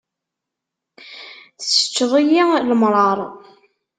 Tseččeḍ-iyi lemṛaṛ.